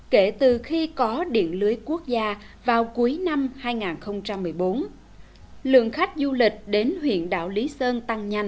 kể từ khi có điện lưới quốc gia vào cuối năm hai nghìn một mươi bốn lượng khách du lịch đến huyện đảo lý sơn tăng nhanh